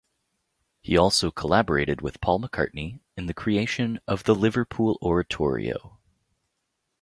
He also collaborated with Paul McCartney in the creation of the "Liverpool Oratorio".